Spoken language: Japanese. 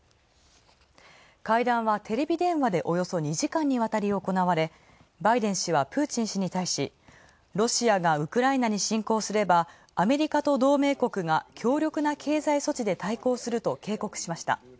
会談はテレビ電話でおよそ２時間にわたりおこなわれバイデン氏はプーチン氏に対し、ロシアがウクライナに侵攻すればアメリカと同盟国が強力な経済措置で対抗すると警告しました。